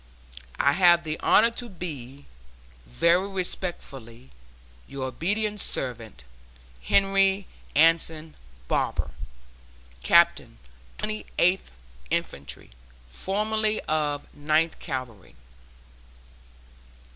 I have the honor to be, Very respectfully, Your obedient servant, HENRY ANSON BARBER, Captain Twenty Eighth Infantry, (formerly of Ninth Cavalry.)